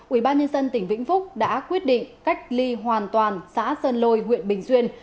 ubnd tỉnh vĩnh phúc đã quyết định cách ly hoàn toàn xã sơn lôi huyện bình xuyên